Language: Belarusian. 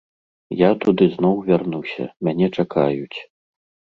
Я туды зноў вярнуся, мяне чакаюць.